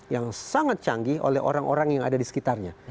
yang sangat canggih oleh orang orang yang ada di sekitarnya